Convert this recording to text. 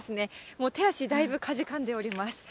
もう手足、だいぶかじかんでおります。